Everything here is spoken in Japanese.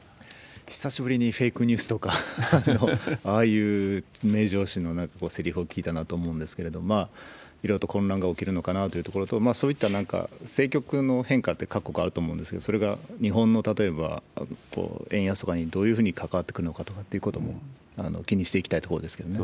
久しぶりにフェイクニュースとか、ああいう名調子のせりふを聞いたなと思うんですけれども、いろいろと混乱が起きるのかなというところと、そういったなんか政局の変化って、各国あると思うんですけど、それが日本の、例えば円安とかにどういうふうに関わってくるのかっていうことも気にしていきたいところですけどね。